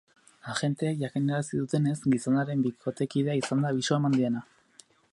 Agenteek jakinarazi dutenez, gizonaren bikotekidea izan da abisua eman diena.